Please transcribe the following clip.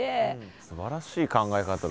すばらしい考え方だ。